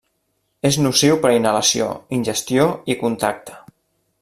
És nociu per inhalació, ingestió i contacte.